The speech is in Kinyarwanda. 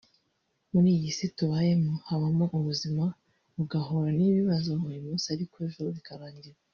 muri iyi si tubayemo habaho ubuzima ugahura n’ibibazo uyu munsi ariko ejo bikarangira